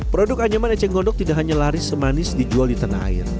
produk anyaman eceng gondok tidak hanya laris semanis dijual di tanah air